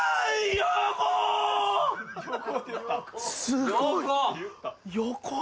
すごい横。